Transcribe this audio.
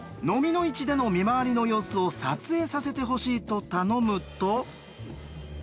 ノミの市での見回りの様子を撮影させてほしいと頼むと。